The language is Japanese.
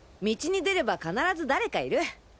道に出れば必ず誰かいる。